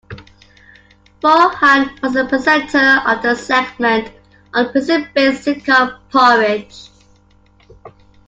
Vaughan was the presenter of the segment on prison-based sitcom "Porridge".